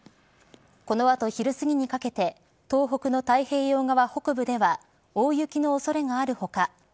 この後、昼すぎにかけて東北の太平洋側北部では大雪の恐れがある他